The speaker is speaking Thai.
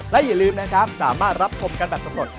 และอย่าลืมนะครับสามารถรับชมกันแบบสำรวจ